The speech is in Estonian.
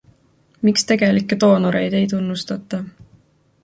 Miks tegelikke doonoreid ei tunnustata ?